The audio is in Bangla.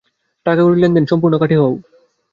টাকা-কড়ির লেন-দেন বিষযে সম্পূর্ণ খাঁটি হও।